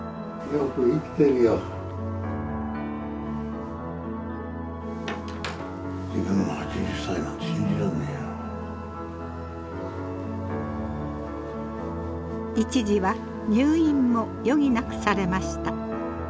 一時は入院も余儀なくされました。